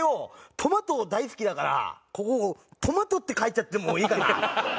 トマト大好きだからここ「トマト」って書いちゃってもいいかな？